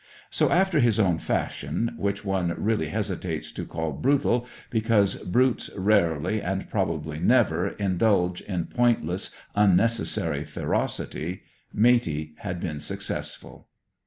So, after his own fashion which one really hesitates to call brutal, because brutes rarely, and probably never, indulge in pointless, unnecessary ferocity Matey had been successful.